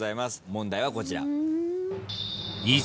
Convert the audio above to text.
問題はこちら。